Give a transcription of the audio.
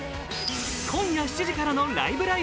今夜７時からの「ライブ！